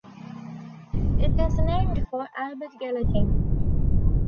It is named for Albert Gallatin.